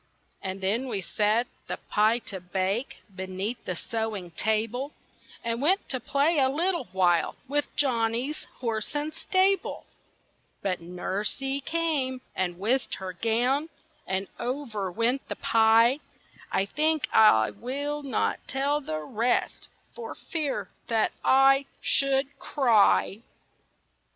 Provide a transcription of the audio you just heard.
And then we set the pie to bake, Beneath the sewing table; And went to play a little while With Johnny's horse and stable. But Nursie came, and whisked her gown, And over went the pie. I think I will not tell the rest, For fear—that—I should—cry!